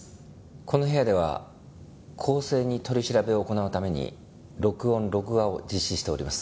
この部屋では公正に取り調べを行うために録音・録画を実施しております。